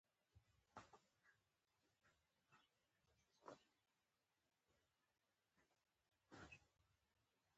بېنډۍ د خوراکي رژیم برخه وي